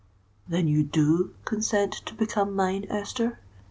"Then you do consent to become mine, Esther?"